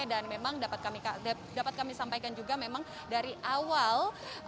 dan memang dapat kami sampaikan juga memang dari awal